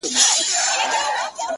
داده ميني ښار وچاته څه وركوي!!